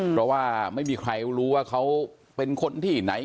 เพราะว่าไม่มีใครรู้ว่าเขาเป็นคนที่ไหน